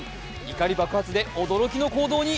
怒り爆発で驚きの行動に。